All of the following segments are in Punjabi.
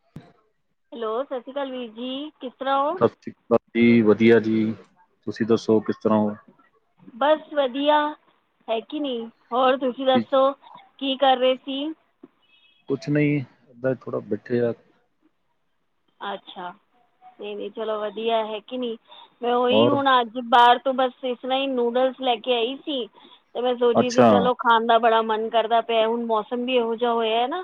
[inaudible] ਹੈਲੋ, ਸਤਿ ਸ੍ਰੀ ਅਕਾਲ ਵੀਰ ਜੀ, ਕਿਸ ਤਰ੍ਹਾਂ ਹੋ? ਬਸ ਜੀ ਵਧੀਆ ਜੀ, ਤੁਸੀ ਦੱਸੋ ਕਿਸ ਤਰਾਂ ਓ? ਬਸ ਵਧੀਆ ਹੈ ਕਿ ਨਹੀਂ, ਹੋਰ ਤੁਸੀ ਕਿ ਦੱਸੋ? ਕੀ ਕਰ ਰਹੇ ਸੀ? ਕੁਛ ਨਹੀ, ਬਸ ਥੋੜਾ ਬੈਠੇ ਆ। ਅੱਛਾ, ਏ ਵੀ ਚਲੋ ਵਧੀਆ ਹੈ ਕਿ ਨੀ, ਮੈਂ ਓਹੀ ਹੋਰ ਹੁਣ ਅੱਜ ਬਾਹਰ ਤ ਬਸ ਇਸ ਤਰਾ ਈ ਨੂਡਲਸ ਲੈ ਕੇ ਆਈ ਸੀ, ਤੇ ਮੈਂ ਸੋਚੀ ਰਹੀ ਸੀ ਅੱਛਾ ਚਲੋ ਖਾਣ ਦਾ ਬੜਾ ਮਨ ਕਰਦਾ ਪਿਆ, ਹੁਣ ਮੌਸਮ ਵੀ ਏਹੋ ਜੇਹਾ ਹੋਇਆ ਨਾ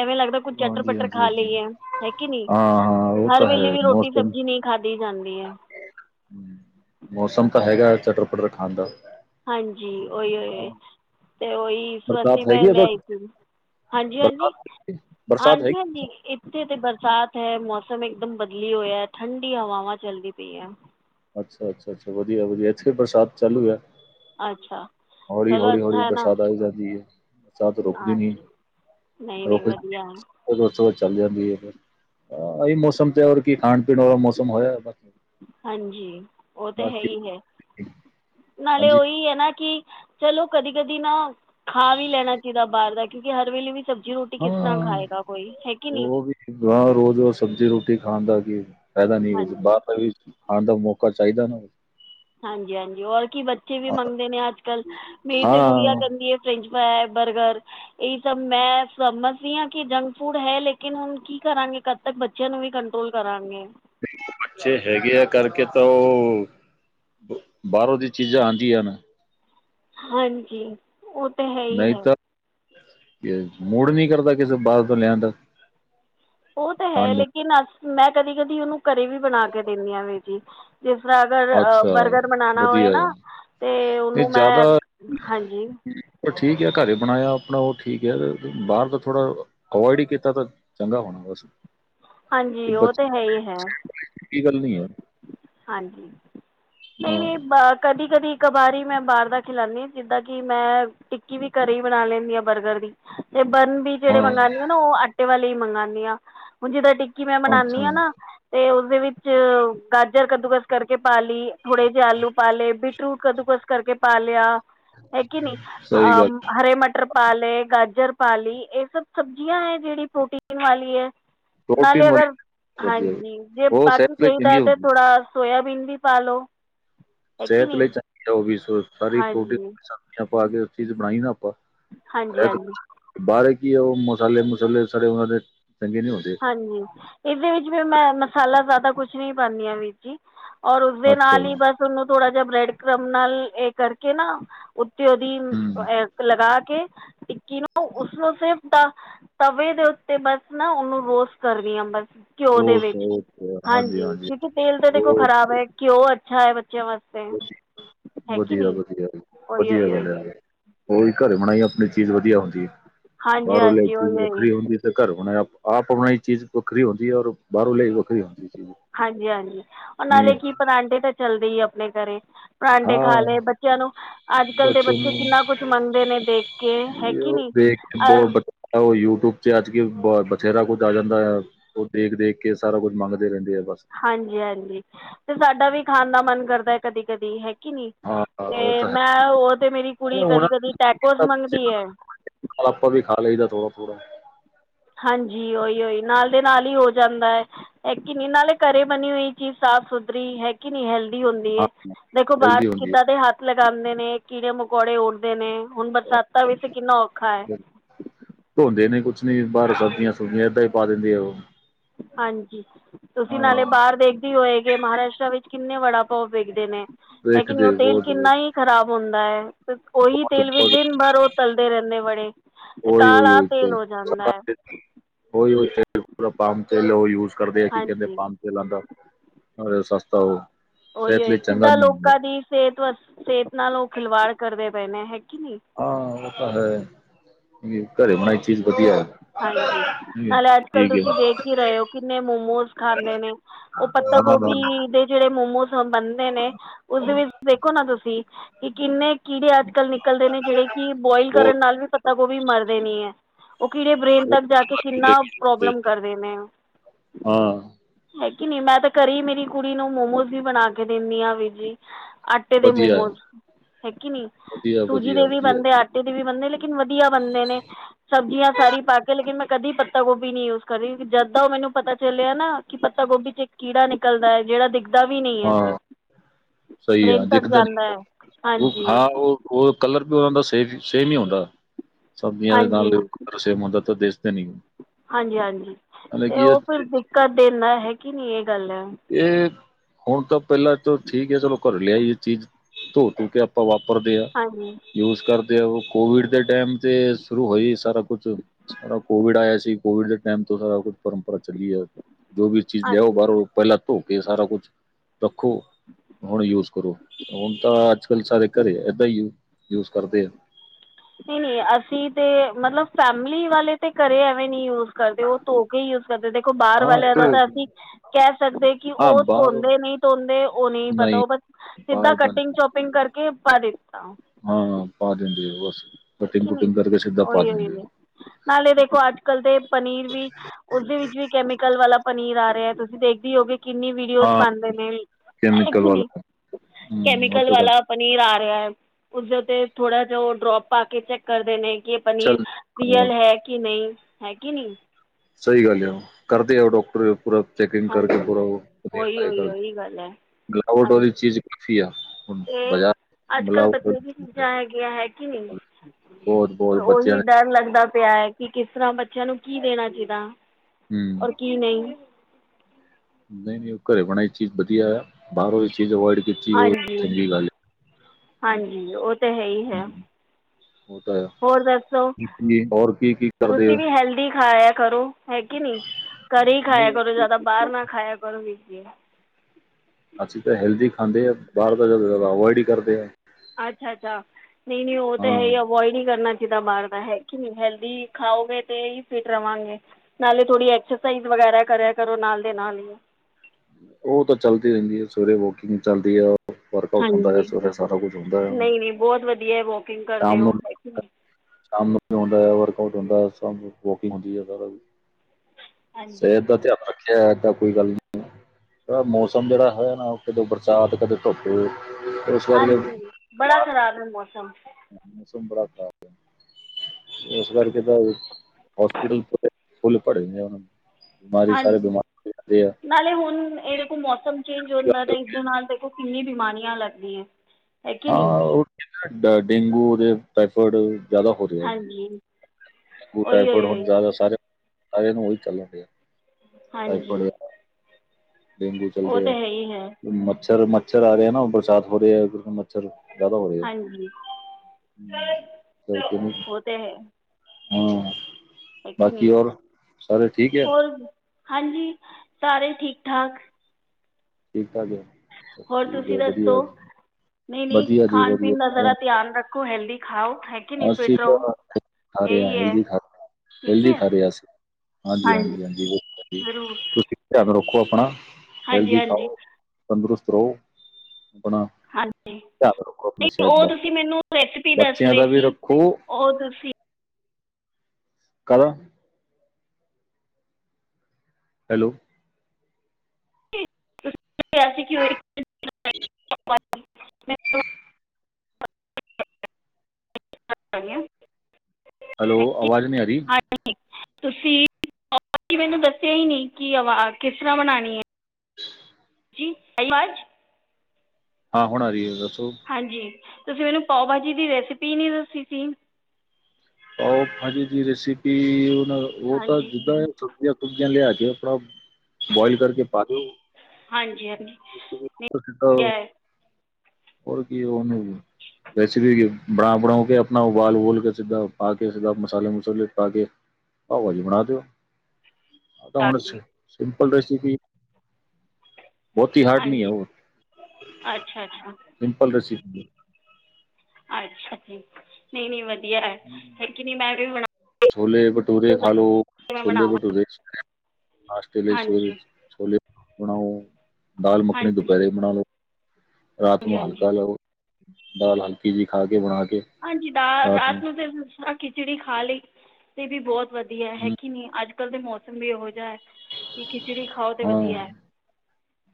ਐਵੇਂ ਲੱਗਦਾ ਕੁੱਛ ਹਾਂਜੀ ਚੱਟਰ-ਪੱਟਰ ਹਾਂਜੀ ਖਾ ਹਾਂਜੀ ਲਇਏ। ਹੈ ਕੇ ਨਹੀ ਹਾਂ ਹਾਂ ਉਹ ਹਰ ਤਾਂ ਵੇਲੇ ਹੈ ਵੀ ਰੋਟੀ ਮੌਸਮ ਸਬਜੀ ਨਈ ਖਾਧੀ ਜਾਂਦੀ ਐ। ਮੌਸਮ ਤਾ ਹੈਗਾ ਚਟਰ-ਪਟਰ ਖਾਣ ਦਾ। ਹਾਂਜੀ, ਓਇਓ ਹਾਂ ਏ- ਤੇ ਓਈ ਸਵਸੀ ਬਰਸਾਤ ਮੈ ਹੈਗੀ ਆ ਲਿਆਈ ਤੁਹਾਡੇ ਸੀ, ਹਾਂਜੀ-ਹਾਂਜੀ। ਬਰਸਾਤ ਹੈਗੀ ਬਰਸਾਤ ਆਜੀ ਹੈਗੀ ਉਡੀਕ ਕੇ- ਏੱਥੇ ਤੇ ਬਰਸਾਤ ਹੈ, ਮੌਸਮ ਇਕਦਮ ਬਦਲੀ ਹੋਇਆ, ਠੰਡੀ ਹਵਾਵਾਂ ਚਲਦੀ ਪਈਐ। ਅੱਛਾ-ਅੱਛਾ-ਅੱਛਾ। ਵਧੀਆ-ਵਧੀਆ ਇੱਥੇ ਵੀ ਬਰਸ਼ਾਤ ਚਾਲੂ ਐ। ਅੱਛਾ। ਚਲੋ ਹੋੜੀ-ਹੋਲੀ-ਹੋਲੀ ਅੱਛਾ ਹੈ ਨਾ ਬਰਸਾਤ ਆਈ ਜਾਂਦੀ ਏ, ਬਰਸਾਤ ਰੁਕਦੀ ਨੀ। ਨਹੀ-ਨਹੀ ਵਧੀਆ। ਫੋ ਬਸ ਓ ਚੱਲ ਜਾਂਦੀ ਏ। ਅ ਏਹੀ ਮੌਸਮ ਤੇ ਓਰ ਕੀ ਖਾਣ- ਪੀਣ ਵਾਲਾ ਮੌਸਮ ਹੋਇਆ ਹਾਂਜੀ, ਓਹ ਤਾਂ ਹੈ ਬਾਕੀ ਹੀ ਹੈ। ਨਾਲੇ ਹਾਂਜੀ ਓਹੀ ਐ ਨਾ ਕਿ ਚਲੋ ਕਦੀ-ਕਦੀ ਨਾ ਖਾ ਵੀ ਲੈਣਾ ਚਾਹੀਦਾ ਬਾਰ ਦਾ ਕਿਓਕਿ ਹਰ ਵੇਲੇ ਵੀ ਸਬਜੀ-ਰੋਟੀ ਕਿਸ ਤਰਾ ਖਾਏਗਾ ਕੋਈ, ਹੈ ਕਿ ਨਹੀ। ਵਾ, ਰੋਜ-ਰੋਜ ਸਬਜੀ-ਰੋਟੀ ਖਾਣ ਦਾ ਵੀ੍ਰਫੈਦਾ ਨੀ ਕੁੱਝ ਹਾਂਜੀ ਬਾਰ ਦਾ ਵੀ ਖਾਣ ਦਾ ਮੌਕਾ ਚਾਈਦਾ ਨਾ ਹਾਂਜੀ-ਹਾਂਜੀ, ਹੋਰ ਕੀ ਬੱਚੇ ਵੀ ਮੰਗਦੇ ਨੇ ਅੱਜ-ਕੱਲ, ਮੇਰੀ ਤੇ ਗੁੜੀਆ ਹਾਂ, ਕੰਹਿਦੀ ਏ ਫ੍ਰੇਚ ਫਾਅਰ, ਬਰਗਰ ਇ ਸਭ ਮੈਂ ਸਮਝਦੀ ਆ ਕਿ ਜੰਕ ਫੂਡ ਹੈ ਲੇਕਿਨ ਹੁਣ ਕੀ ਕਰਾਂਗੇ ਕ ਦ ਤੱਕ ਬੱਚਿਆਂ ਨੂੰ ਵੀ ਕੰਟਰੋਲ ਕਰਾਂਗੇ। ਬਈ ਬੱਚੇ ਹੈਗੇ ਆ ਕਰਕੇ ਤਾ ਓ ਬਾਰੋਂ ਦੀ ਚੀਜਾ ਆਂਦਿਆਂ ਅਨ। ਹਾਂਜੀ। ਉਹ ਤਾਂ ਹੈ ਹੀ ਨਈ ਹੈ ਤਾਂ, ਮੂੜ ਨਈ ਕਰਦਾ ਕਿਸੇ ਬਾਰ ਤੋ ਲਿਆਣ ਦਾ। ਓਹ ਤਾ ਖਾਣ ਹੈ ਨੂੰ ਲੇਕਿਨ ਅ ਮੈਂ ਕਦੀ-ਕਦੀ ਓਨੂੰ ਕਰੇ ਵੀ ਬਣਾ ਕੇ ਦੇਣੀ ਆ ਵੀਰ ਜੀ। ਜਿਸ ਤਰਾ ਅਗਰ ਅ ਅੱਛਾ ਬਰਗਰ ਬਨਾਣਾ ਹੋਏ ਵਧੀਆ ਆ ਨਾ, ਤੇ ਇਹ ਓਨੂੰ ਜ਼ਿਆਦਾ ਮੈਂ ਹਾਂਜੀ। ਠੀਕ ਐ, ਘੱਰ ਹੀ ਬਣਾਇਆ ਆਪਣਾ ਓ ਠੀਕ ਐ, ਬਾਰ ਤਾ ਥੋੜਾ ਅਵੋਇਡ ਹੀ ਕੀਤਾ ਤਾਂ ਚੰਗਾ ਹੋਣਾ ਬਸ। ਹਾਂਜੀ, ਓ ਤੇ ਹੈ ਹੀ ਹੈ। ਚੰਗੀ ਗੱਲ ਨੀ ਐ। ਹਾਂਜੀ। ਹਾਂ ਨਈ-ਨਈ ਬਸ ਕਦੀ-ਕਦੀ ਕਬਾਰੀ ਮੈ ਬਾਰ ਦਾ ਖਿਲਾਣੀ ਆ ਜਿੱਦਾਂ ਕਿ ਮੈਂ ਟਿੱਕੀ ਵੀ ਘੱਰੇ ਈ ਬਨਾ ਲੈਣੀ ਆ ਬਰਗਰ ਵੀ। ਤੇ ਬਨ ਵੀ ਜੇੜੇ ਹਾਂ ਮੰਗਾਨੀ ਆ ਨਾ, ਓ ਆਟੇ ਵਾਲੇ ਈ ਮੰਗਾਨੀ ਆ। ਹੁਣ ਜਿਦਾ ਟਿੱਕੀ ਮੈਂ ਬਣਾਨੀ ਅੱਛਾ ਆ ਨਾ ਤੇ ਓਸਦੇ ਵਿੱਚ ਗਾਜ ਜਰ ਕੱਦੂਕਸ ਕਰਕੇ ਪਾ ਲਈ, ਥੋੜੇ ਜੇ ਆਲੂ ਪਾ ਲਏ, ਬੀਟਰੂਟ ਕੱਦੂਕਸ ਕਰਕੇ ਪਾ ਲਿਆ। ਹੈ ਕਿ ਨਈ, ਸਹੀ ਗੱਲ ਅ ਹਰੇ ਮਟਰ ਪਾ ਲਏ, ਗਾਜਰ ਪਾ ਲਈ, ਏਹ ਸਬ ਸਬਜੀਆ ਹੈ ਜੇੜੀ ਪ੍ਰੋਟੀਨ ਵਾਲੀ ਐ। ਪ੍ਰੋਟੀਨ ਨਾਲੇ ਅਗਰ, ਵਾਲੀ ਵਧੀਆ ਹੋਵੇ, ਹਾਂਜੀ ਜੇ ਉਹ ਬੱਚ ਸਿਹਤ ਲਈ ਜਾਈਦਾ ਚੰਗੀ ਤੇ ਹੁੰਦੀ ਲਾ ਸੋਯਾਬੀਨ ਵੀ ਪਾ ਲੋ ਸਿਹਤ ਲਈ ਚੰਗੀ ਉਹ ਵੀ ਸ ਸਾਰੀ ਪੋ੍ਟੀਨ ਹਾਂਜੀ ਸਬਜ਼ੀਆਂ ਪਾ ਕੇ ਚੀਜ਼ ਬਣਾਈ ਨਾ ਆਪਾਂ ਹਾਂਜੀ- ਸਿਹਤ ਹਾਂਜੀ। ਬਾਹਰ ਕੀ ਆ ਉਹ ਮਸਾਲੇ-ਮੁਸਾਲੇ ਸੜੇ ਉਹਨਾਂ ਦੇ ਚੰਗੇ ਨੀ ਹੁੰਦੇ ਹਾਂਜੀ ਇਹਦੇ ਵਿੱਚ ਵੀ ਮੈਂ ਮਸਾਲਾ ਜ਼ਿਆਦਾ ਕੁੱਛ ਨੀ ਪਾਂਦੀ ਹਾਂ ਵੀਰ ਜੀ ਔਰ ਉਸਦੇ ਅੱਛਾ ਨਾਲ ਹੀ ਬਸ ਉਹਨੂੰ ਥੋੜਾ ਜਹਾ ਬ੍ਰੈਡ ਕ੍ਰਮ ਨਾਲ ਇਹ ਕਰਕੇ ਨਾ ਉੱਤੇ ਉਹਦੀ ਹਮ ਲਗਾ ਕੇ ਕਿਨ ਉਸਨੂੰ ਸਿਰਫ ਤਵੇ ਦੇ ਉੱਤੇ ਬਸ ਨਾ ਉਹਨੂੰ ਰੋਸ ਕਰਣੀ ਆ ਬਸ ਘਿਓ ਦੇ ਵਿੱਚ ਹਾਂਜੀ ਕਿਉਂਕਿ ਤੇਲ ਤਾਂ ਦੇਖੋ ਉਹ ਖ਼ਰਾਬ ਹੈ ਘਿਓ ਅੱਛਾ ਹੈ ਬੱਚਿਆਂ ਵਾਸਤੇ ਹੈ ਕਿ ਵਦੀਆ, ਨਹੀਂ ਵਦੀਆ-ਵਦੀਆ ਜੀ ਉਹੀ ਵਦੀਆ ਉਹੀ ਗੱਲ ਉਹੀ ਐ। ਓਹੀ ਘਰੇ ਬਣਾਈ ਅਪਣੀ ਚੀਜ਼ ਵਦੀਆ ਹੁੰਦੀ ਏ ਹਾਂਜੀ ਬਾਹਰੋਂ ਲਿਆ ਹਾਂਜੀ ਚੀਜ਼ ਉਹੀ ਉਹੀ ਵੱਖਰੀ ਹੁੰਦੀ ਤੇ ਘਰ ਬਨਾਯਾ। ਆਪ ਬਨਾਈ ਚੀਜ ਵੱਖਰੀ ਹੁੰਦੀ ਐ ਓਰ ਬਾਰੋਂ ਲਿਯਾਈ ਵੱਖਰੀ ਹੁੰਦੀ ਚੀਜ਼। ਹਾਂਜੀ, ਹਾਂਜੀ, ਓ ਜੀ ਨਾਲੇ ਕੀ ਪਰਾਂਡੇ ਤਾਂ ਚੱਲਦੇ ਈ ਅਪਣੇ ਘਰੇ ਪਰਾਂਟੇ ਹਾਂ ਖਾ ਲਏ, ਬੱਚੇਆਂ ਨੂੰ ਅੱਜ-ਕੱਲ ਦੇ ਬੱਚੇ ਕਿੰਨਾ ਕੁਜ ਮੰਗਦੇ ਨੇ ਦੇਖ ਕੇ, ਹੈ ਕਿ ਨੀ। ਇਕ ਬੋ ਬਹੁਤ ਉਹ ਯੂਟਿਊਬ ਤੇ ਅੱਜ ਕੀ ਬਹੁਤ ਬਥੇਰਾ ਕੁੱਝ ਆ ਜੁੜ ਜਾਂਦਾ ਐ ਉਹ ਦੇਖ ਦੇਖ ਕੇ ਸਾਰਾ ਕੁੱਝ ਮੰਗਦੇ ਰਹਿੰਦੇ ਆ ਬਸ ਹਾਂਜੀ, ਹਾਂਜੀ ਤੇ ਸਾਡਾ ਵੀ ਖਾਣ ਦਾ ਮਨ ਕਰਦੇ ਕਦੀ-ਕਦੀ ਹੈ ਕੇ ਨੀ, ਹਾਂ ਉਹ ਤੇ ਤਾਂ ਹੈ ਮੈਂ ਉਹ ਤੇ ਮੇਰੀ ਕੁੜੀ ਹੁਣ ਕਦੀ-ਕਦੀ ਟੈਕੋਸ ਮੰਗਦੀ ਐ। ਆਪਾਂ ਵੀ ਖਾ ਲਈਦਾ ਥੋੜਾ-ਥੋੜਾ। ਹਾਂਜੀ, ਓਈ-ਓਈ ਨਾਲ ਦੇ ਨਾਲ ਈ ਹੋ ਜਾਂਦਾ ਐ ਐਕ ਈ ਨੀ ਨਾਲੇ ਘਰੇ ਬਣੀ ਹੋਈ ਚੀਜ਼ ਸਾਫ਼ ਸੁਥਰੀ ਹੈ ਕੀ ਨੀ ਹੈਲਦੀ ਹੁੰਦੀ ਹਾਂ ਏ ਦੇਖੋ ਬਾਹਰ ਹੈਲਦੀ ਹੁੰਦੀ ਹੈ। ਕਿੱਦਾਂ ਦੇ ਹੱਥ ਲਗਾਂਦੇ ਨੇ, ਕੀੜੇ ਮਕੌੜੇ ਉੜਦੇ ਨੇ ਹੁਣ ਬਰਸਾਤਾਂ ਵਿਸ ਕਿੰਨਾ ਔਖਾ ਐ। ਧੋਂਦੇ ਨੇ ਕੁਛ ਨੀ ਬਾਹਰ ਸਬਜ਼ੀਆਂ ਸੁਬਜ਼ੀਆਂ ਏਦਾਂ ਈ ਪਾ ਦਿੰਦੇ ਆ ਉਹ ਹਾਂਜੀ, ਤੁਸੀਂ ਨਾਲੇ ਹਾਂ ਬਾਹਰ ਵੇਖਦੇ ਹੋਏਗੇ ਮਹਾਰਾਸ਼ਟਰਾ ਵਿੱਚ ਕਿੰਨੇ ਵੜਾ ਪਾਓ ਵੇਕਦੇ ਨੇ ਲੇਕਿਨ ਦੇਖਦੇ ਉਹ ਤੇਲ ਬਹੁਤ-ਬਹੁਤ ਕਿੰਨਾ ਈ ਖ਼ਰਾਬ ਹੁੰਦਾ ਐ ਉਹੀ ਤੇਲ ਵੀ ਦਿਨ ਭਰ ਉਹ ਤਲਦੇ ਰਹਿੰਦੇ ਵੜੇ ਤੇ ਕਾਲਾ ਤੇਲ ਹੋ ਜਾਂਦਾ ਐ ਉਹੀ ਉਈ ਤੇਲ, ਪੂਰਾ ਪਾਮ ਤੇਲ ਉਹ ਯੂਜ ਕਰਦੇ ਐ, ਕੀ ਕਹਿੰਦੇ ਹਾਂਜੀ ਪਾ ਚਲਾਂਦਾ, ਸਸਤਾ ਹੋਊ ਉਹੀਏ ਕਿੱਦਾਂ ਲੋਕਾਂ ਦੀ ਸਿਹਤ ਵ ਸਿਹਤ ਨਾਲ ਉਹ ਖਿਲਵਾੜ ਕਰਦੇ ਪਏਣੇ ਹੈਕੀ ਨੀ ਹਾਂ ਉਹ ਤਾਂ ਹੈ, ਘਰੇ ਬਣਾਈ ਚੀਜ਼ ਵਦੀਆ ਐ। ਹਾਂਜੀ ਨਾਲੇ ਅੱਜ ਕੱਲ ਤੁਸੀਂ ਦੇਖ ਹੀ ਰਹੇ ਹੋ ਕਿੰਨੇ ਮੋਮੋਸ ਖਾਂਦੇ ਨੇ ਉਹ ਪੱਤਾ ਬਹੁਤ ਗੋਭੀ ਦੇ ਜਿਹੜੇ ਮੋਮੋਜ ਬਣਦੇ ਨੇ ਉਸਦੇ ਵਿੱਚ ਦੇਖੋ ਨਾ ਤੁਸੀਂ ਕਿ ਕਿੰਨੇ ਕੀੜੇ ਅੱਜ ਕੱਲ ਨਿਕਲਦੇ ਨੇ ਜਿਹੜੇ ਕਿ ਬੋਇਲ ਕਰਨ ਨਾਲ ਵੀ ਪੱਤਾ ਗੋਭੀ ਮਰਦੇ ਨੀ ਐ ਕੀੜੇ ਬ੍ਰੇਨ ਤੱਕ ਜਾ ਕੇ ਕਿੰਨਾ ਪ੍ਰੋਬਲਮ ਕਰਦੇ ਨੇ। ਆ। ਹੈ ਕੇ ਨੀ ਮੈਂ ਤਾਂ ਘਰੇ ਈ ਮੇਰੀ ਕੁੜੀ ਨੂੰ ਮੋਮੋਜ਼ ਵੀ ਬਣਾ ਕੇ ਦੇਣੀ ਆ ਵੀਰਜੀ ਆਟੇ ਦੇ ਵਧੀਆ ਹੈ ਮੋਮੋਜ਼ ਹੈ ਕੇ ਨੀ, ਵਧੀਆ ਸੂਜੀ ਵਧੀਆ ਦੇ ਵੀ ਵਧੀਆ ਬਣਦੇ ਆ ਟੇ ਦੇ ਵੀ ਬਨਦੇ ਲੇਕਿਨ ਵਧੀਆ ਬਨਦੇ ਨੇ ਸਬਜ਼ੀਆਂ ਸਾਰੀ ਪਾ ਕੇ ਲੇਕਿਨ ਮੈਂ ਕਦੀ ਪੱਤਾ ਗੋਭੀ ਨੀ ਯੂਜ ਕਰਹੀ ਜਦ ਦਾ ਉਹ ਮੈਨੂੰ ਪਤਾ ਚੱਲਿਆ ਨਾ ਕਿ ਪੱਤਾ ਗੋਭੀ ਚ ਇੱਕ ਕੀੜਾ ਨਿਕਲਦਾ ਐ ਜਿਹੜਾ ਦਿਖ ਦਾਂ ਵੀ ਨਈ ਐ, ਹਾਂ ਸਹੀ ਆ ਬ੍ਰੇਨ ਤੱਕ ਜਾਂਦਾ ਐ, ਹਾਂਜੀ ਓਰ ਕਲਰ ਵੀ ਉਹਨਾਂ ਦਾ ਸੇ ਸੇਮ ਈ ਹੁੰਦਾ ਸਬਜ਼ੀਆਂ ਦੇ ਹਾਂਜੀ, ਨਾਲ ਕਲਰ ਸੇਮ ਹੁੰਦਾ ਤਾਂ ਦੇਖਦੇ ਨਹੀਂ ਹਾਂਜੀ-ਹਾਂਜੀ ਤੇ ਹਾਲਾਂਕਿ ਉਹ ਫਿਰ ਇਹ ਕਰਦੇ ਇੰਨਾ ਹੈ ਕਿ ਨੀ ਇਹ ਗੱਲ ਐ ਇਹ ਹੁਣ ਤਾਂ ਪਹਿਲਾਂ ਤੋ ਠੀਕ ਐ ਚਲੋ ਘਰ ਲਿਆਈਏ ਚੀਜ਼ ਧੋ ਧੂ ਕੇ ਆਪਾਂ ਵਾਪਰਦੇ ਆ ਹਾਂਜੀ ਯੂਜ ਕਰਦੇ ਆ ਓ, ਕੋਵਿਡ ਦੇ ਟਾਈਮ ਤੇ ਸ਼ੁਰੂ ਹੋਈ ਸਾਰਾ ਕੁਜ ਸਾਰਾ ਕੋਵਿਡ ਆਇਆ ਸੀ ਕੋਵਿਡ ਦੇ ਟਾਈਮ ਤੋਂ ਸਾਰਾ ਕੁਝ ਪਰੰਪਰਾ ਚੱਲੀ ਐ, ਜੋ ਵੀ ਚੀਜ਼ ਲਿਆਓ ਹਾਂਜੀ ਬਾਹਰੋਂ ਪਹਿਲਾਂ ਧੋ ਕੇ ਸਾਰਾ ਕੁਛ ਰੱਖੋ। ਹੁਣ ਯੂਜ ਕਰੋ ਹੁਣ ਤਾਂ ਅੱਜ ਕੱਲ ਸਾਰੇ ਘਰੇ ਏਦਾਂ ਹੀ ਯੂ ਯੂਜ ਕਰਦੇ ਆ। ਵਰਤੀ ਨੀ ਏ ਅਸੀਂ ਤੇ ਮਤਲਬ ਫੈਮਲੀ ਵਾਲੇ ਤੇ ਘਰੇ ਐਵੇਂ ਨੀ ਯੂਜ ਕਰਦੇ ਉਹ ਧੋ ਕੇ ਈ ਯੂਜ ਕਰਦੇ, ਦੇਖੋ ਬਾਹਰ ਹਾਂ ਵਾਲਿਆਂ ਦਾ ਤੇ ਤਾਂ ਅਸੀਂ ਕਹਿ ਸਕਦੇ ਕਿ ਹਾਂ ਉਹ ਬਾਹਰ ਧੋਂਦੇ, ਨਈ ਧੋਂਦੇ, ਉਹ ਨਈ ਪਤਾ ਨਹੀਂ ਉਹ ਬਸ ਸਿੱਧਾ ਬਾਹਰ ਦਾ ਕਟਿੰਗ ਨਹੀਂ ਚੋਪਿੰਗ ਕਰਕੇ ਪਾ ਦਿੱਤਾ। ਹਾਂ ਪਾ ਦਿੰਦੇ ਓ ਬਸ, ਹੈ ਕਿ ਨਹੀਂ ਕਟਿੰਗ-ਕੁਟਿੰਗ ਕਰਕੇ ਸਿੱਧਾ ਪਾ ਉਹੀ ਉਹੀ ਦਿੰਦੇ ਓ। ਉਹੀ ਨਾਲੇ ਦੇਖੋ ਅੱਜ-ਕੱਲ ਦੇ ਪਨੀਰ ਵੀ ਉਸਦੇ ਵਿੱਚ ਵੀ ਕੈਮੀਕਲ ਵਾਲਾ ਪਨੀਰ ਆ ਰਿਆ, ਤੁਸੀਂ ਦੇਖਦੇ ਹੋਗੇ ਕਿੰਨੀ ਵੀ ਵੀਓਸ ਹਾਂ ਪਾਂਦੇ ਨੇ, ਹੈ ਕੈਮੀਕਲ ਕੇ ਨੀ, ਵਾਲਾ ਹਮ ਉਹ ਕੈਮੀਕਲ ਤਾਂ ਗੱਲ ਵਾਲਾ ਪਨੀਰ ਆ ਰਿਹਾ ਹੈ ਉਸਦੇ ਉੱਤੇ ਥੋੜਾ ਜਿਹਾ ਉਹ ਡਰੋਪ ਪਾ ਕੇ ਚੈੱਕ ਕਰਦੇ ਨੇ ਕਿ ਪਨੀਰ ਚੱਲ ਰੀਅਲ ਹੈ ਕਿ ਨਹੀਂ ਹੈ ਕਿ ਨੀ। ਸਹੀ ਗੱਲ ਆ ਉਹ ਕਰਦੇ ਆ ਉਹ ਡਾਕਟਰ ਪੂਰਾ ਚੈਕਿੰਗ ਕਰਕੇ ਹਾਂਜੀ ਪੂਰਾ ਉਹੀ ਉਹੀ ਉਹੀ ਗੱਲ ਹੈ ਹਾਂਜੀ [unintelligible] ਹੁ ਅਤੇ ਬਜਾ ਅੱਜ ਕੱਲ ਬਥੇਰੀ ਚੀਜ਼ਾਂ ਹੈਗੀਆਂ ਹੈ ਕਿ ਨਹੀਂ ਬਹੁਤ ਤੇ ਬਹੁਤ ਬੱਚਿਆਂ ਉਹੀ ਨੇ ਡਰ ਲੱਗਦਾ ਪਿਆ ਹੈ ਕਿ ਕਿਸ ਤਰ੍ਹਾਂ ਬੱਚਿਆਂ ਨੂੰ ਕੀ ਦੇਣਾ ਚਾਹੀਦਾ। ਹਮ ਹੋਰ ਕੀ ਨਹੀ। ਨਹੀ-ਨਹੀ ਉਹ ਘਰੇ ਉਹ ਬਣਾਈ ਚੀਜ਼ ਵਧੀ ਆ ਬਾਹਰ ਇਹ ਚੀਜ਼ ਅਵੋਇਡ ਕੀਤੀ ਉਹ ਚੰਗੀ ਗੱਲ ਐ। ਹਾਂਜੀ-ਹਾਂਜੀ ਉਹ ਤਾਂ ਹੈ ਹੀ ਹੈ। ਹੂੰ, ਉਹ ਤਾਂ ਹੋਰ ਦੱਸੋ ਹੈ। ਹੋਰ ਕੀ ਕੀ ਕਰਦੇ ਤੁਸੀਂ ਹੋ ਵੀ ਹੈਲਦੀ ਖਾਇਆ ਕਰੋ। ਹੈ ਕਿ ਨੀ ਘਰੇ ਹੀ ਖਾਇਆ ਕਰੋ ਨਹੀਂ ਜਾਦਾ ਬਾਹਰ ਨਾ ਖਾਇਆ ਕਰੋ ਵੀਰ ਜੀ। ਅਸੀਂ ਤਾਂ ਹੈਲਦੀ ਖਾਂਦੇ ਆ ਬਾਹਰ ਤਾਂ ਜਾਦਾ-ਜਾਦਾ ਅਵੋਇਡ ਹੀ ਕਰਦੇ ਆ। ਅੱਛਾ-ਅੱਛਾ ਨਹੀ-ਨਹੀ ਉਹ ਤਾਂ ਹਾਂ ਹੈ ਅਵੋਇਡ ਹੀ ਕਰਨਾ ਦਾ ਮਾਰਦਾ ਹੈ ਕਿ ਨਹੀਂ ਹੈਲਦੀ ਖਾਓਗੇ ਤੇ ਹੀ ਫਿਟ ਰਵਾਂਗੇ। ਨਾਲੇ ਥੋੜ੍ਹੀ ਐਕਸਰਸਾਈਜ਼ ਵਗੈਰਾ ਕਰਿਆ ਕਰੋ ਨਾਲ ਦੇ ਨਾਲ ਹੀ। ਉਹ ਤਾਂ ਚੱਲਦੀ ਰਹਿੰਦੀ ਹੈ ਸਵੇਰੇ ਵੋਕਿੰਗ ਚੱਲਦੀ ਹੈ। ਵਰਕ ਆਊਟ ਹੁੰਦਾ ਹੈ ਹਾਂਜੀ ਸਵੇਰੇ ਸਾਰਾ ਕੁਛ ਹੁੰਦਾ ਹੈ ਨਹੀਂ ਨਹੀਂ ਬਹੁਤ ਵਧੀਆ ਵੋਕਿੰਗ ਕਰਦੇ ਸ਼ਾਮ ਨੂੰ ਹੋ ਹੈ ਕਿ ਨਹੀਂ ਸ਼ਾਮ ਨੂੰ ਵੀ ਹੁੰਦਾ ਹੈ ਵਰਕ ਆਊਟ ਹੁੰਦਾ ਸ਼ਾਮੀ ਵੋਕਿੰਗ ਹੁੰਦੀ ਹੈ ਸਾਰਾ ਸਿਹਤ ਹਾਂਜੀ ਦਾ ਧਿਆ ਅੱਛਾ ਏਦਾਂ ਕੋਈ ਗੱਲ ਨੀ ਮੌਸਮ ਜਿਹੜਾ ਹੈ ਨਾ ਕਦੇ ਬਰਸਾਤ ਕਦੇ ਧੁੱਪ ਇਸ ਕਰਕੇ ਹਾਂਜੀ [inaudible] ਬੜਾ ਖਰਾਬ ਹੈ ਮੌਸਮ ਮੌਸਮ ਬੜਾ ਖਰਾਬ [unintelligible] ਇਸ ਕਰਕੇ ਤਾਂ ਹੋਸਪਿਟਲ ਤਾਂ ਫੁੱਲ ਭਰੇ ਨੇ। ਬਿਮਾਰੀ ਸਾਰੇ ਹਾਂਜੀ ਬਿਮਾਰ ਜਾਂਦੇ ਆ। ਨਾਲੇ ਹੁਣ ਇਹ ਦੇਖੋ ਮੌਸਮ ਚੇਂਜ ਹੁੰਦਾ ਤਾਂ ਇਸਦੇ ਨਾਲ ਦੇਖੋ ਕਿੰਨੀ ਬਿਮਾਰੀਆਂ ਲੱਗਦੀਆਂ। ਹੈ ਕਿ ਨਹੀਂ ਹਾਂ [inaudible] ਡੇਂਗੂ ਜਾਦਾ ਹੋ ਰਿਹਾ। ਹਾਂਜੀ ਡੇਂਗੂ, ਉਹੀ ਟਾਈਫਾਈਡ ਉਹੀ ਹੁਣ ਉਹੀ ਜਾਦਾ ਸਾਰੇ ਸਾਰਿਆਂ ਨੂੰ ਉਹੀ ਚੱਲਣ ਡਿਆ। ਹਾਂਜੀ ਟਾਈਫੋਇਡ ਆ ਡੇਂਗੂ ਚੱਲ ਉਹ ਤਾਂ ਰਿਹਾ ਹੈ ਹੀ ਹੈ ਮੱਛਰ-ਮੱਛਰ ਆ ਰਹੇ ਨਾ ਬਰਸਾਤ ਹੋ ਰਹੀ ਹੈ ਉਧਰ ਫ ਮੱਛਰ ਜ਼ਿਆਦਾ ਹੋ ਰਾਹੀਆ ਹਾਂਜੀ [unintelligible] ਤੇ ਹੈ। ਹਾਂ ਹੈ ਕਿ ਬਾਕੀ ਨਹੀਂ ਹੋਰ, ਸਾਰੇ ਠੀਕ ਹੈ। ਹੋਰ ਹਾਂਜੀ ਸਾਰੇ ਠੀਕ ਠਾਕ। ਠੀਕ-ਠਾਕ ਹੈ। ਹੋਰ ਠੀਕ ਤੁਸੀਂ ਹੈ ਵਧੀਆ ਦੱਸੋ ਨਹੀ-ਨਹੀ ਵਧੀਆ ਜੀ ਖਾਣ ਵਧੀਆ ਪੀਣ ਦਾ ਜ਼ਰਾ ਧਿਆਨ ਰੱਖ ਕੋ ਹੈਲਦੀ ਖਾਓ। ਕਿ ਨਹੀਂ ਅਸੀਂ ਫਿਟ ਰਹੋ ਤਾਂ [unintelligible] ਇਹੀ ਹੈ ਹੈਲਦੀ ਠੀਕ ਹੈ ਖਾ ਰਏ ਆ ਅਸੀਂ। ਹਾਂਜੀ ਹਾਂਜੀ-ਹਾਂਜੀ-ਹਾਂਜੀ ਜ਼ਰੂਰ [unintelligible] ਤਿਆਨ ਰੱਖੋ ਅਪਣਾ, ਹਾਂਜੀ ਹੈਲਦੀ ਹਾਂਜੀ ਖਾਓ, ਤੰਦਰੁਸਤ ਰੋ। ਅਪਣਾ, ਹਾਂਜੀ ਤਿਆਨ ਰੱਖੋ ਅਪਣਾ ਨਹੀਂ ਸੇਹਤ ਉਹ ਦਾ, ਤੁਸੀਂ ਮੈਨੂੰ ਰੈਸਪੀ ਦੱਸ ਬੱਚਿਆਂ ਰਹੇ ਦਾ ਵੀ ਸੀ ਰੱਖੋ ਉਹ ਤੁਸੀਂ ਕਾਰਾ ਹੈਲੋ [inaudible] [inaudible] ਹੈਲੋ ਹੈ ਆਵਾਜ਼ ਨਹੀਂ ਆ ਰਹੀ। ਕਿ ਤੁਸੀਂ ਮੈਨੂੰ ਦੱਸਿਆ ਹੀ ਨਹੀਂ ਕਿ ਆਵਾ ਕਿਸ ਤਰ੍ਹਾਂ ਬਣਾਣੀ ਹੈ। ਜੀ ਆਈ ਆਵਾਜ਼। ਹਾਂ ਹੁਣ ਆ ਰਹੀ ਹੈ, ਦੱਸੋ? ਹਾਂਜੀ ਤੁਸੀਂ ਮੈਨੂੰ ਪਾਓ ਭਾਜੀ ਦੀ ਰੈਸਪੀ ਨੀ ਦੱਸੀ ਸੀ। ਪਾਓ, ਹਾਂਜੀ ਜੀ ਰੈਸਿਪੀ, ਉਹ ਨਾ, ਉਹ ਤਾਂ ਹਾਂਜੀ ਜਿੱਦਾਂ ਏ। ਸਬਜ਼ੀਆਂ ਸੁਬਜ਼ੀਆਂ ਲਿਆ ਕੇ ਉਪਰੋ, ਬੋਇਲ ਕਰਕੇ ਪਾ ਦਓ। ਹਾਂਜੀ ਹਾਂਜੀ ਨਹੀਂ [unintelligible] ਹੈ ਹੋਰ ਕੀ ਉਹਨੂੰ ਵੀ। ਵੈਸੇ ਵੀਗੇ ਬਣਾ ਬੂਣੁ ਕੇ ਅਪਣਾ, ਉਬਾਲ ਉਬੂਲ ਕੇ ਸਿੱਧਾ ਪਾ ਕੇ ਸਿਦਾ, ਮਸਾਲੇ ਮਸੂਲੇ ਪਾ ਕੇ, ਪਾਓ ਭਾਜੀ ਬਣਾ ਦਿਓ। ਆ ਤਾਂ ਹੁਣ ਹਾਂਜੀ ਸਿੰਪਲ ਰੈਸਿਪੀ। ਬੋਹਤੀ ਹਾਰਡ ਨੀ ਹੈ ਹਾਂਜੀ ਔਹ, ਅੱਛਾ ਅੱਛਾ ਸਿੰਪਲ ਰੈਸਿਪੀ ਏ। ਅੱਛਾ ਜੀ, ਨਈ-ਨਈ ਵਦੀਆ ਏ, ਐਕਚੂਲੀ ਮੈਂ ਵੀ ਵੜਾ ਛੋਲੇ ਬਟੂਰੇ ਖਾ ਲੋ, ਮੈਂ ਛੋਲੇ ਬਣਾਵਾਂਗੀ ਭਟੂਰੇ, ਨਾਸ਼ਤੇ ਲਈ ਸਵੇਰੇ ਹਾਂਜੀ ਛੋਲੇ ਬਣਾਓ, ਦਾਲ ਮੱਖਣੀ ਹਾਂਜੀ ਦੁਪੇਰੇ ਬਣਾ ਲੋ। ਰਾਤ ਹਾਂਜੀ ਨੂੰ ਹਾਂਜੀ ਹਲਕਾ ਲੋ, ਦਾਲ ਹਲਕੀ ਜਿਈ ਖਾ ਕੇ, ਬਣਾ ਕੇ। ਹਾਂਜੀ ਦਾਲ, ਰਾਤ ਨੂੰ ਫਿਰ [unintelligible] ਖਿਚੜੀ ਖਾ ਲਈ, ਤੇ ਵੀ ਬੋਤ ਵਧੀਆ ਹੈ ਕਿ ਨਈ, ਅੱਜ ਕੱਲ ਦੇ ਮੌਸਮ ਵੀ ਇਹੋ ਜਿਹਾ ਹੈ, ਕਿ ਖਿਚੜੀ ਖਾਓ ਤੇ ਵਧੀਆ ਹੈ।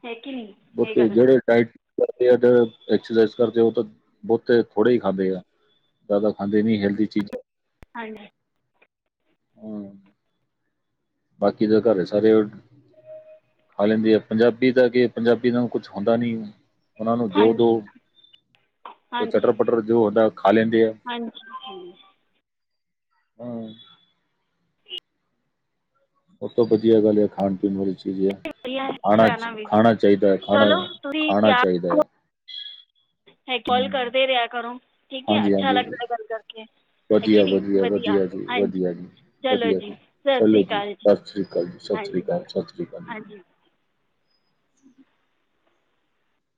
ਹੈ ਕਿ ਨੀ? ਬੋਤੇ ਜੇਹੜੇ ਡਾਈਟ ਕਰਦੇ ਆ, ਜਿਵੇੰ ਐਕਸਰਸਾਈਜ ਕਰਦੇ ਆ, ਉਹ ਤੇ ਬਹੋਤੇ ਥੋੜੇ ਹੀ ਖਾਂਦੇ ਆ। ਜਾਦਾ ਖਾਂਦੇ ਨੀ ਹੈਲਦੀ ਚੀਜ਼ਾਂ। [unintelligible] ਹੂੰ। ਬਾਕੀ ਤੇ ਘਰੇ ਸਾਰੇ ਖਾ ਲੈਂਦੇ ਆ, ਪੰਜਾਬੀ ਦਾ ਕੀ ਏ? ਪੰਜਾਬੀ ਨੂੰ ਕੁਛ ਹੁੰਦਾ ਨਈ ਏ। ਉਨ੍ਹਾਂ ਨੂੰ ਜੋ ਦੋ ਹਾਂਜੀ ਚੱਟਰ ਹਾਂਜੀ ਪੱਟਰ ਜੋ ਹੁੰਦਾ ਏ, ਖਾ ਲੈਂਦੇ ਆ। ਹਾਂਜੀ। ਹੂੰ। ਸਭ ਤੋਂ ਬਦੀਆ ਗੱਲ ਹੈ, ਏਹ ਖਾਣ ਪੀਣ ਵਾਲੀ ਚੀਜ਼। ਚੀਜ ਏ, ਵਧੀਆ ਖਾਣਾ, ਅੱਛਾ ਨਾ ਵੀ ਖਾਣਾ ਚਾਹੀਦਾ ਏ, ਖਾਣਾ, ਚਲੋ ਤੁਸੀਂ ਖਾਣਾ ਤਿਆਰ ਚਾਹੀਦਾ ਰੱਖੋ ਯਾ। ਹੈ ਕੋਲ ਕਰਦੇ ਰੇਹਾ ਕਰੋ, ਠੀਕ ਏ? ਅੱਛਾ ਲੱਗਦਾ ਏ ਗੱਲ ਕਰਕੇ। ਹੈ ਕਿ ਵਦੀਆ ਨਹੀਂ ਵਦੀਆ ਵਧੀਆ ਵਦੀਆ ਜੀ, ਹਾਂਜੀ ਵਦੀਆ ਜੀ, ਚਲੋ ਵਦੀਆ ਜੀ, ਸਤਿ ਚਲੋ ਸ਼੍ਰੀ ਜੀ। ਅਕਾਲ ਸਤਿ ਸ਼੍ਰੀ ਅਕਾਲ, ਸਤਿ ਸ਼੍ਰੀ ਹਾਂਜੀ ਅਕਾਲ, ਸਤਿ ਸ਼੍ਰੀ ਅਕਾਲ। ਹਾਂਜੀ